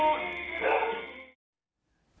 โอ้โฮ